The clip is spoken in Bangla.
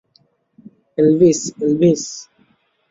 Elvis, Elvis.